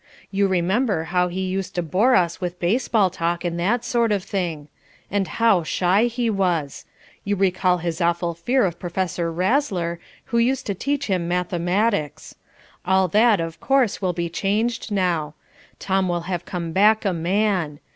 You remember how he used to bore us with baseball talk and that sort of thing. And how shy he was! You recall his awful fear of Professor Razzler, who used to teach him mathematics. All that, of course, will be changed now. Tom will have come back a man.